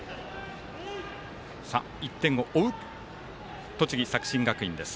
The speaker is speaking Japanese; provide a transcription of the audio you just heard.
１点を追う栃木、作新学院です。